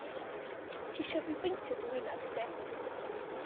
Tisio fi beintio dy winadd di?